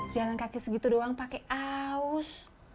jalan kaki segitu doang pakai aus